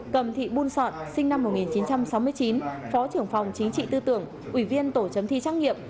cầm thị buôn sọn sinh năm một nghìn chín trăm sáu mươi chín phó trưởng phòng chính trị tư tưởng ủy viên tổ chấm thi trắc nghiệm